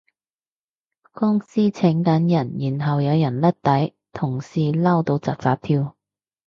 公司請緊人然後有人甩底，同事嬲到紮紮跳